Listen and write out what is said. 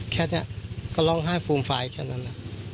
แค่นี้ก็ร้องไห้ฟูมฟายแค่นั้น